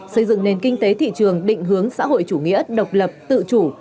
xây dựng nền kinh tế thị trường định hướng xã hội chủ nghĩa độc lập tự chủ